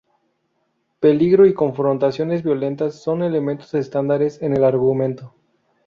Peligro y confrontaciones violentas son elementos estándar en el argumento.